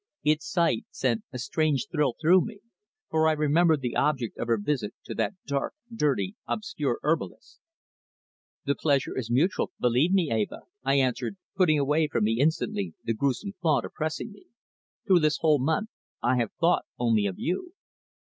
Its sight sent a strange thrill through me, for I remembered the object of her visit to that dark, dirty, obscure herbalist's. "The pleasure is mutual, believe me, Eva," I answered, putting away from me instantly the gruesome thought oppressing me. "Through this whole month I have thought only of you."